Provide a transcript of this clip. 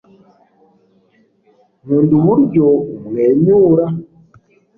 nkunda uburyo umwenyura